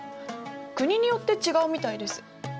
国によって違うみたいです。